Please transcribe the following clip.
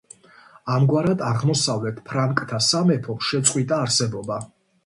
ამგვარად, აღმოსავლეთ ფრანკთა სამეფომ შეწყვიტა არსებობა.